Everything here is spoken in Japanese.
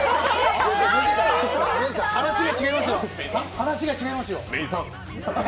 話が違いますよ。